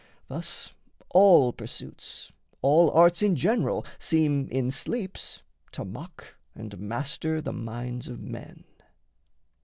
Thus all pursuits, All arts in general seem in sleeps to mock And master the minds of men.